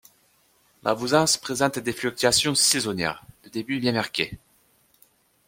La Vouzance présente des fluctuations saisonnières de débit bien marquées.